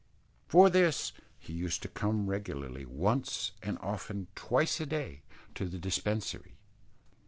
For this he used to come regularly once, and often twice a day, to the dispensary.